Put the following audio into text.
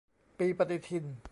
ปีปฏิทิน